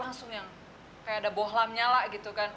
langsung yang kayak ada bohlam nyala gitu kan